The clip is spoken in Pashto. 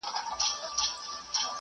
ساینسپوهان د مدارونو په اړه پوهېږي.